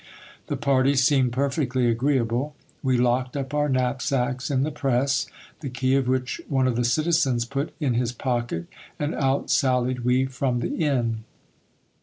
The party seemed perfectly agreeable. We locked up our knapsacks in the press, the key of which one of the citizens put in his pocket, and out sallied we from the inn.